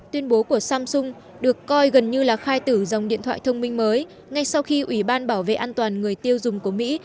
tuyên bố của samsung được coi gần như là khai tử dòng điện thoại thông minh mới ngay sau khi ủy ban bảo vệ an toàn người tiêu dùng của mỹ